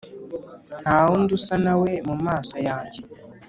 nta wundi usa nawe mu maso yanjye